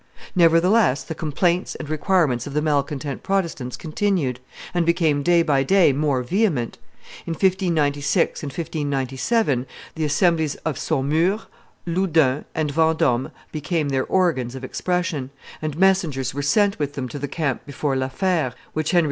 Nevertheless the complaints and requirements of the malcontent Protestants continued, and became day by day more vehement; in 1596 and 1597 the assemblies of Saumur, Loudun, and Vendome became their organs of expression; and messengers were sent with them to the camp before La Fere, which Henry IV.